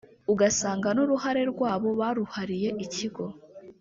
ugasanga n’uruhare rwabo baruhariye ikigo